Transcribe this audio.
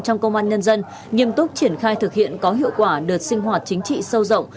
trong công an nhân dân nghiêm túc triển khai thực hiện có hiệu quả đợt sinh hoạt chính trị sâu rộng